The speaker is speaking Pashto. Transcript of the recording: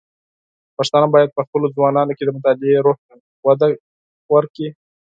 پښتانه بايد په خپلو ځوانانو کې د مطالعې روحيه وده ورکړي.